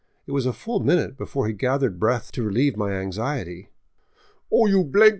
It was a full minute before he gathered breath to relieve my anxiety. " Oh, you mool !